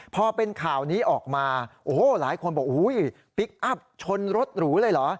พอเป็นข่าวนี้ออกมาโอ้โหหลายคนบอกอุ้ยพลิกอัพชนรถหรูเลยเหรอ